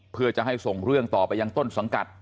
เพื่อจะให้ส่งเรื่องต่อไปยังต้นสังกัด